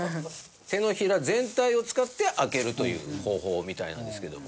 手のひら全体を使って開けるという方法みたいなんですけども。